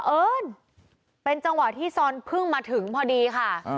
เอิญเป็นจังหวะที่ซอนเพิ่งมาถึงพอดีค่ะ